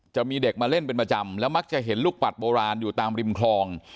จะมีเด็กมาเล่นเป็นประจำแล้วมักจะเห็นลูกปัดโบราณอยู่ตามริมคลอง